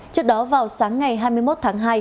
trước đó vào sáng ngày hai mươi một tháng hai